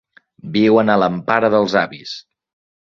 Viuen a l'empara dels avis.